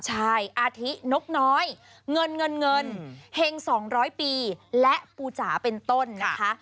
ใช่อาทินกน้อยเงินเงินเห็ง๒๐๐ปีและปูจ๋าเป็นต้นนะคะ